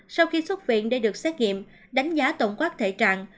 sau khi xuất viện để được xét nghiệm đánh giá tổng quát thể trạng